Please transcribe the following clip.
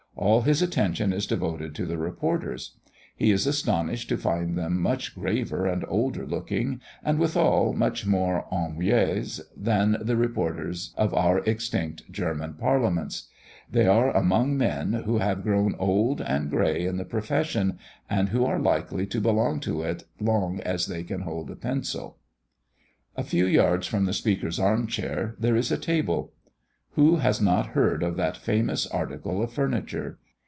All his attention is devoted to the reporters. He is astonished to find them much graver and older looking, and withal much more ennuyés than the reporters of our extinct German parliaments. There are among them men who have grown old and grey in the profession, and who are likely to belong to it as long as they can hold a pencil. A few yards from the Speaker's arm chair there is a table. Who has not heard of that famous article of furniture?